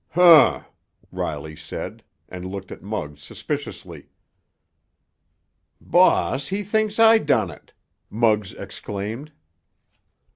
"Humph!" Riley said, and looked at Muggs suspiciously. "Boss, he thinks I done it!" Muggs exclaimed.